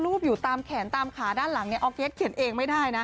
รูปอยู่ตามแขนตามขาด้านหลังนี้อร์เกรสเข็นเองไม่ได้นะ